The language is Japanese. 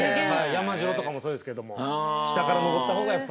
山城とかもそうですけども下から登った方がやっぱり。